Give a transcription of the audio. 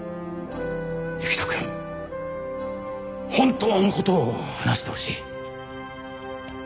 行人くん本当の事を話してほしい。